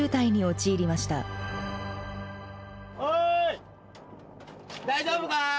おい大丈夫か！？